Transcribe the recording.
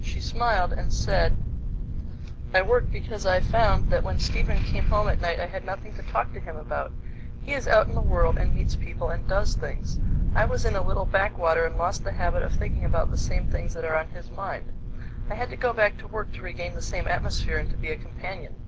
She smiled and said: "I work because I found that when Stephen came home at night, I had nothing to talk to him about. He is out in the world and meets people and does things. I was in a little backwater and lost the habit of thinking about the same things that are on his mind. I had to go back to work to regain the same atmosphere and to be a companion."